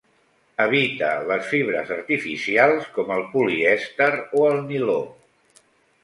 Evita les fibres artificials com el polièster o el niló.